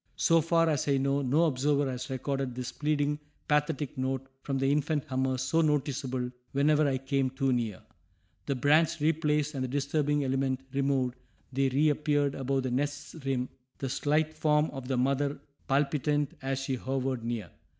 So far as I know no observer has recorded this pleading, pathetic note from the infant hummers so noticeable whenever I came too near. The branch replaced and the disturbing element removed, they reappeared above the nest's rim, the slight form of the mother palpitant as she hovered near.